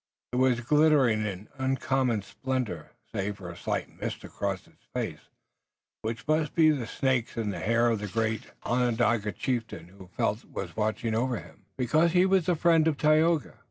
It was glittering in uncommon splendor, save for a slight mist across its face, which must be the snakes in the hair of the great Onondaga chieftain who he felt was watching over him, because he was the friend of Tayoga.